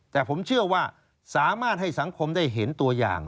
แต่ผมเชื่อว่าสามารถให้สังคมได้เห็นตัวอย่าง